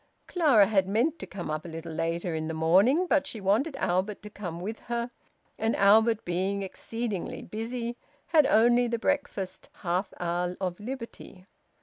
Clara had meant to come up a little later in the morning, but she wanted Albert to come with her, and Albert, being exceedingly busy, had only the breakfast half hour of liberty.